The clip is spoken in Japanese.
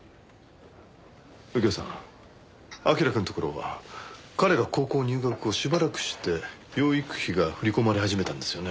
右京さん彬くんのところは彼が高校入学後しばらくして養育費が振り込まれ始めたんですよね？